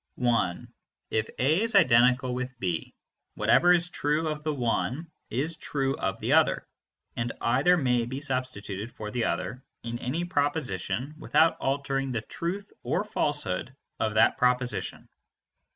(1) If a is identical with b, whatever is true of the one is true of the other, and either may be substituted for the other in any proposition without altering the truth or falsehood of that proposition.